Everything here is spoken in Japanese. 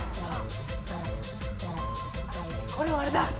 これはあれだ。